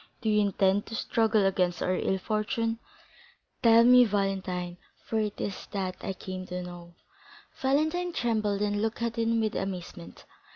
Do you intend to struggle against our ill fortune? Tell me, Valentine for it is that I came to know." Valentine trembled, and looked at him with amazement.